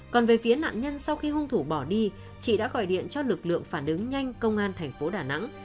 còn về phía nạn nhân sau khi hung thủ bỏ đi chị đã gọi điện cho lực lượng phản ứng nhanh công an thành phố đà nẵng